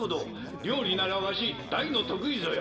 料理ならワシ大の得意ぞよ。